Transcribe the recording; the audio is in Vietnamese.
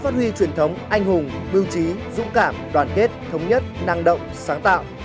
tuy truyền thống anh hùng mưu trí dũng cảm đoàn kết thống nhất năng động sáng tạo